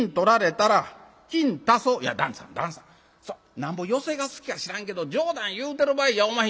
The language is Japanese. なんぼ寄席が好きか知らんけど冗談言うてる場合やおまへん」。